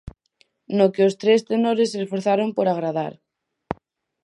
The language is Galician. No que os tres tenores se esforzaron por agradar.